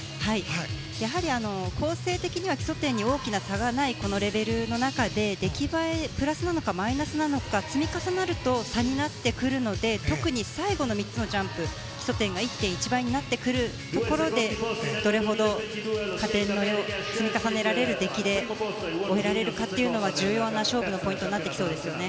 やはり構成的には基礎点に大きな差がないこのレベルの中で出来栄えプラスなのかマイナスなのか積み重なると差になってくるので特に最後の３つのジャンプ基礎点が１．１倍になってくるところでどれほど加点を積み重ねられる出来で終えられるかというのが重要な勝負のポイントになってきそうですよね。